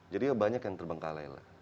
jadi banyak yang terbengkalai lah